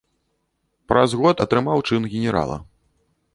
Праз год атрымаў чын генерала.